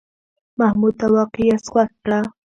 محمود ته واقعي آس خوښ کړه.